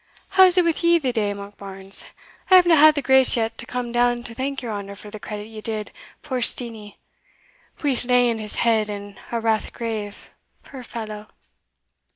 "How's a' wi' ye the day, Monkbarns? I havena had the grace yet to come down to thank your honour for the credit ye did puir Steenie, wi' laying his head in a rath grave, puir fallow.